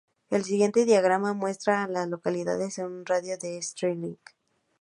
El siguiente diagrama muestra a las localidades en un radio de de Sterling.